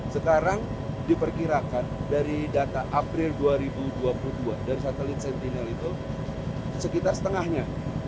sekarang diperkirakan dari data april dua ribu dua puluh dua dari satelit sentinel itu sekitar setengahnya